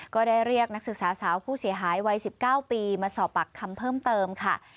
ก็ได้เรียกนักศึกษาสาวผู้เสียหายวัย๑๙ปีมาสอบปากคำเพิ่มเติมค่ะ